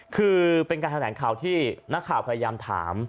คือเป็นการแถลงข่าวที่นักข่าวพยายามถาม